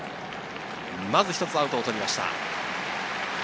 まず一つアウトを取りました。